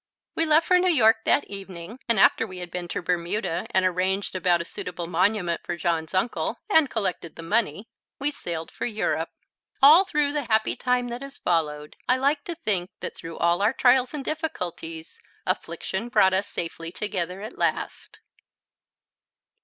We left for New York that evening, and after we had been to Bermuda and arranged about a suitable monument for John's uncle and collected the money, we sailed for Europe. All through the happy time that has followed, I like to think that through all our trials and difficulties affliction brought us safely together at last.